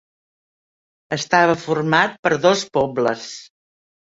Estava format per dos pobles.